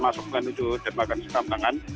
masukkan menuju jermaka sekambangan